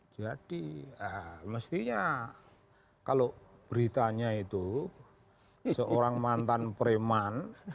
jadi mestinya kalau beritanya itu seorang mantan preman